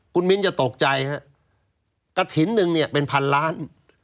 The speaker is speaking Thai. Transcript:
คุณมิ้นจะตกใจฮะกระถิ่นหนึ่งเนี่ยเป็นพันล้าน